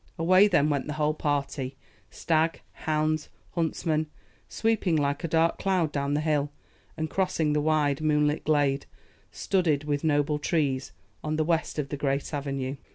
Away then went the whole party stag, hounds, huntsmen, sweeping like a dark cloud down the hill, and crossing the wide moonlit glade, studded with noble trees, on the west of the great avenue.